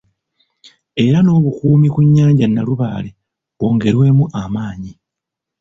Era n'obukuumi ku nyanja Nnalubaale bwongerwemu amaanyi.